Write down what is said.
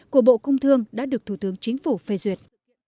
của bộ công thương đã được thủ tướng chính phủ phê duyệt